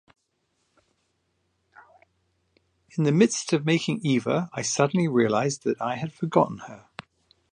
In the midst of making Eva, I suddenly realized that I had forgotten her.